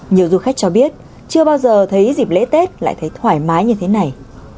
nhiều du khách cho biết chưa bao giờ thấy dịp lễ tết lại thấy thoải mái như thế này